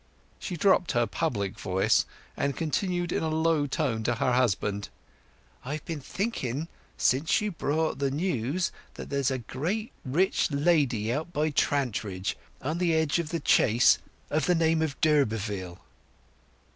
She dropped her public voice, and continued in a low tone to her husband: "I've been thinking since you brought the news that there's a great rich lady out by Trantridge, on the edge o' The Chase, of the name of d'Urberville."